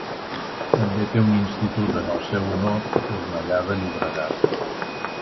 També té un institut en el seu honor a Cornellà de Llobregat.